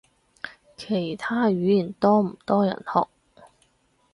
其他語言多唔多人學？